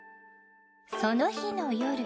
その日の夜